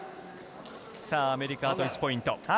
アメリカ、あと１ポイント。